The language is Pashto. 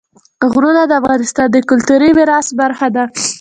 غرونه د افغانستان د کلتوري میراث برخه ده.